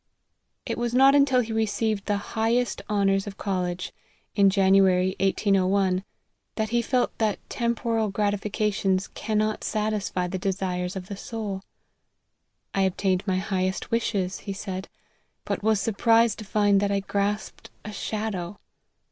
It was not until he received the highest honours of college, in January 1801, that he felt that temporal gratifications cannot satisfy the desires of the soul. " I obtained my highest wishes," he said, " but was surprised to find that I grasped a shadow."